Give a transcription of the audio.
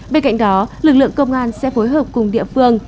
bên cạnh đó lực lượng công an sẽ phối hợp cùng địa phương